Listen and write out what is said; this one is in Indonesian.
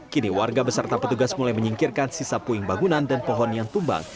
kini warga beserta petugas mulai menyingkirkan sisa puing bangunan dan pohon yang tumbang